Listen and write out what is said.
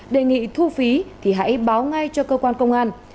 đề nghị thu phí thì hãy báo ngay cho cơ quan công an